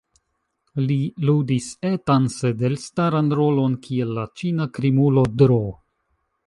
Li ludis etan sed elstaran rolon kiel la Ĉina krimulo Dro.